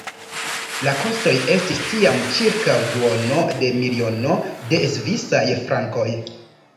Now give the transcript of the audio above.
La kostoj estis tiam ĉirkaŭ duono de miliono de svisaj frankoj.